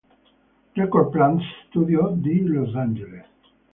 Record Plant Studios di Los Angeles.